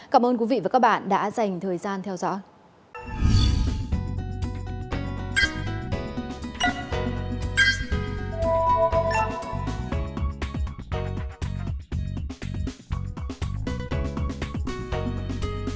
cảm ơn quý vị và các bạn đã dành thời gian theo dõi